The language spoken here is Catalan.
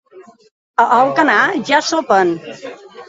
A Alcanar, ja sopen.